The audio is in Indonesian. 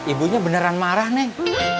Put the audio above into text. ibunya beneran marah neng